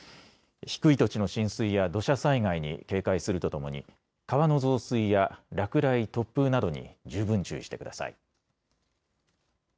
低い土地の浸水や土砂災害に警戒するとともに川の増水や落雷、突風などに十分注意してください。